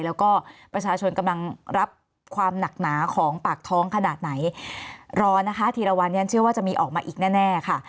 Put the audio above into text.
แล้วก็ประชาชนกำลังรับความหนักหนาของปากท้องขนาดไหนรอนะคะทีละวันนี้เชื่อว่าจะมีออกมาอีกแน่แน่ค่ะ